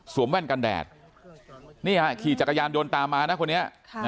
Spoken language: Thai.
สวมแว่นกันแดดนี่ค่ะขี่จักรยานโดนตามมานะคนนี้